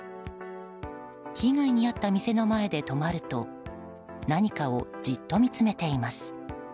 被害に遭った店の前で止まると何かをじっと見つめています。